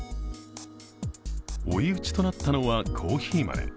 追い打ちとなったのはコーヒー豆。